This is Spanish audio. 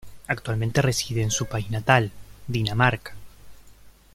Actualmente reside en su país natal, Dinamarca.